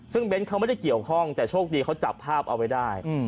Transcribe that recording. ซึ่งเบ้นเขาไม่ได้เกี่ยวข้องแต่โชคดีเขาจับภาพเอาไว้ได้